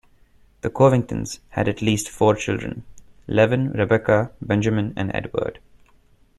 The Covingtons had at least four children: Levin, Rebecca, Benjamin, and Edward.